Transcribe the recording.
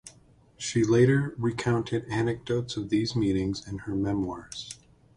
She later recounted anecdotes of these meetings in her memoirs.